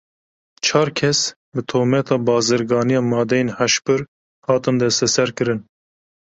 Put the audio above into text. Çar kes bi tometa bazirganiya madeyên hişbir hatin desteserkirin.